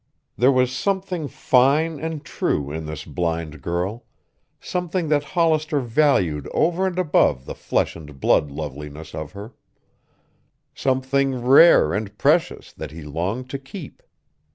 There was something fine and true in this blind girl, something that Hollister valued over and above the flesh and blood loveliness of her, something rare and precious that he longed to keep.